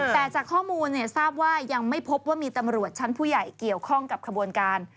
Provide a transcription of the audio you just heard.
แต่จากข้อมูลทราบว่ายังไม่พบว่ามีตำรวจชั้นผู้ใหญ่เกี่ยวข้องกับขบวนการ